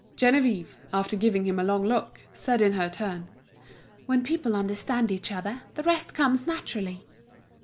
Geneviève, after giving him a long look, said in her turn: "When people understand each other, the rest comes naturally."